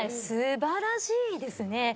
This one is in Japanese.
素晴らしいですね。